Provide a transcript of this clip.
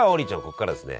ここからはですね